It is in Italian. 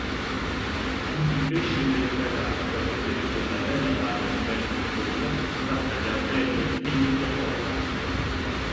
Tutti i pesci vennero a galla per vedere quella bella palla di pelle di pollo fatta da Apelle, figlio di Apollo.